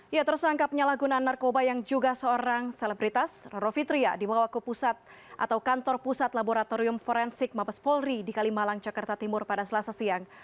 ya tersangka penyalahgunaan narkoba yang juga seorang selebritas roro fitria dibawa ke pusat atau kantor pusat laboratorium forensik mabes polri di kalimalang jakarta timur pada selasa siang